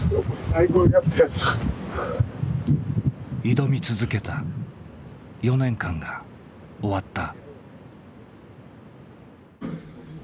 挑み続けた４年間が終わった。